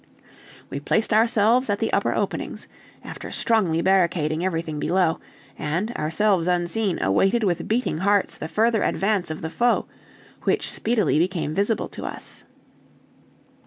We placed ourselves at the upper openings, after strongly barricading everything below, and, ourselves unseen, awaited with beating hearts the further advance of the foe, which speedily became visible to us.